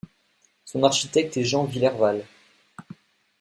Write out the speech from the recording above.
Son architecte est Jean Willerval.